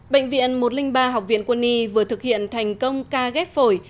bệnh viện một trăm linh ba học viện quân y vừa thực hiện thành công ca ghép phổi